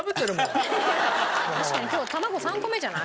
確かに今日卵３個目じゃない？